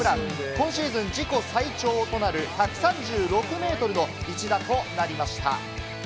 今シーズン自己最長となる１３６メートルの一打となりました。